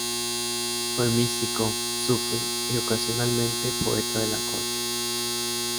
Fue místico sufí y, ocasionalmente, poeta de la corte.